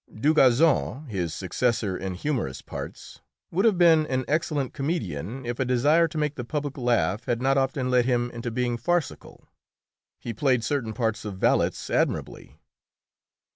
Dugazon, his successor in humorous parts, would have been an excellent comedian if a desire to make the public laugh had not often led him into being farcical. He played certain parts of valets admirably.